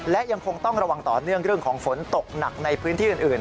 และยังคงต้องระวังต่อเนื่องเรื่องของฝนตกหนักในพื้นที่อื่น